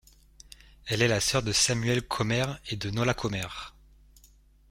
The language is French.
Elle est la sœur de Samuel Comer et de Nola Comer.